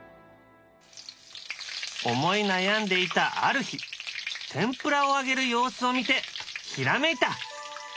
思い悩んでいたある日天ぷらを揚げる様子を見てひらめいた。